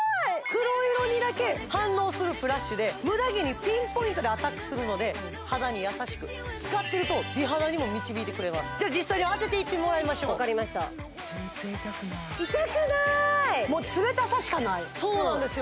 黒色にだけ反応するフラッシュでムダ毛にピンポイントでアタックするので肌に優しく使っていると美肌にも導いてくれますじゃあ実際に当てていってもらいましょうわかりましたそうなんですよ